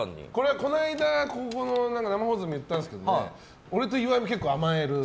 この間も言ったんですけど俺と岩井も結構甘える。